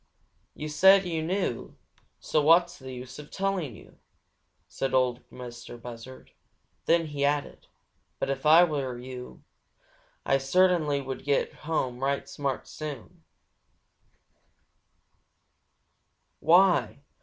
"Yo' said you knew, so what's the use of telling yo'?" said Ol' Mistah Buzzard. Then he added: "But if Ah was yo', Ah cert'nly would get home right smart soon."